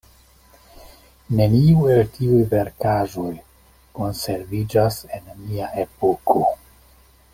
Neniu el tiuj verkaĵoj konserviĝas en nia epoko.